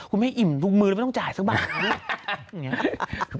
คุณแม่อิ่มทุกมือแล้วไม่ต้องจ่ายสักบาทครับ